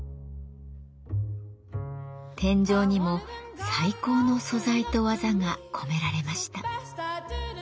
天井にも最高の素材と技が込められました。